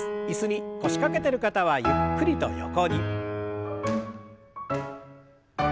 椅子に腰掛けてる方はゆっくりと横に。